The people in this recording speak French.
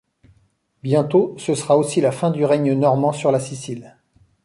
Bientôt, ce sera aussi la fin du règne normand sur la Sicile.